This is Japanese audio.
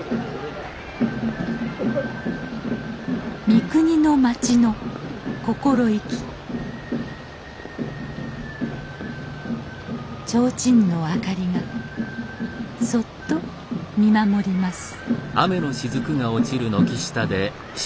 三国の町の心意気提灯のあかりがそっと見守ります